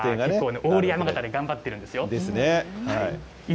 オール山形で頑張っているんですよ。